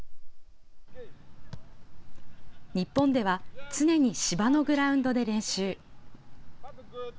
日本では、常に芝のグラウンドで練習。